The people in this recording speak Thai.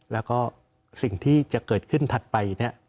แล้วก็สิ่งที่จะเกิดขึ้นถัดไปเนี่ย